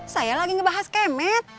saya lagi ngebahas kemet